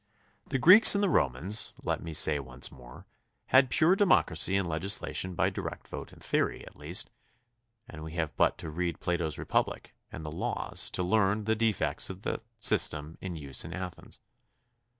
The Greeks and the Romans, let me say once more, had pm e democracy and legislation by direct vote in theory, at least, and we have but to read Plato's Republic and The Laws to learn the defects of the system in use in Athens.